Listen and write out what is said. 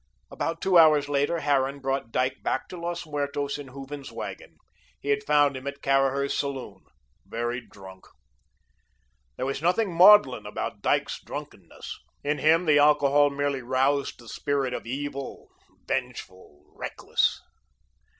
About two hours later, Harran brought Dyke back to Los Muertos in Hooven's wagon. He had found him at Caraher's saloon, very drunk. There was nothing maudlin about Dyke's drunkenness. In him the alcohol merely roused the spirit of evil, vengeful, reckless.